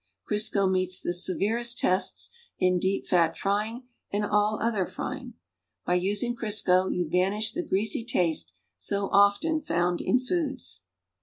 Crisco meets the severest tests in deep fat frying and all other frying. By usmg Crisco you banish the greasy taste so often found in foods.